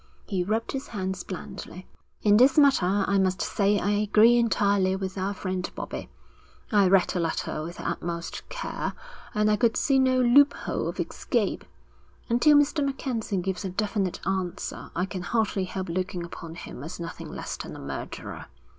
He rubbed his hands blandly. 'In this matter I must say I agree entirely with our friend Bobbie. I read the letter with the utmost care, and I could see no loophole of escape. Until Mr. MacKenzie gives a definite answer I can hardly help looking upon him as nothing less than a murderer.